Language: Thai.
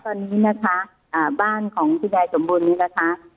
ตอนนี้นะคะบ้านของคุณยายสมบูรณนี้นะคะ